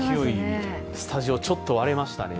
スタジオ、ちょっと割れましたね